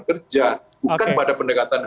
kerja bukan pada pendekatan